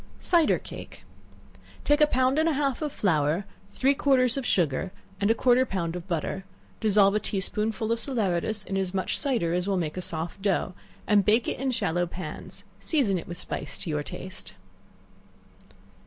Cider Cake. Take a pound and a half of flour, three quarters of sugar, and a quarter of a pound of butter; dissolve a tea spoonful of salaeratus in as much cider as will make it a soft dough, and bake it in shallow pans; season it with spice to your taste.